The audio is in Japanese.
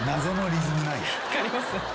分かります。